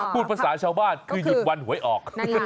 พูดภาษาชาวบ้านคือหยุดวันหวยออก